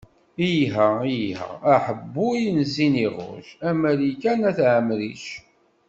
Iha, iha aḥebbuy n ziniɣuc, a Malika n at Ɛemric.